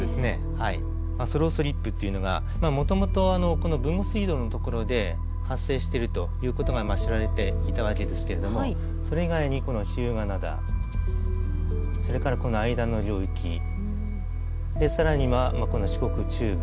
スロースリップっていうのがもともとこの豊後水道のところで発生してるという事が知られていた訳ですけれどもそれ以外にこの日向灘それからこの間の領域更には四国中部。